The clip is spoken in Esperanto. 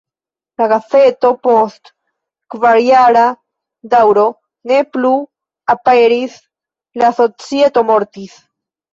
La gazeto post kvarjara daŭro ne plu aperis, la societo mortis.